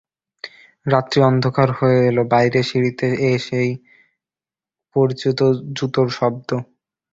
রাত্রি অন্ধকার হয়ে এল– বাইরে সিঁড়িতে ঐ সেই পরিচিত জুতোর শব্দ।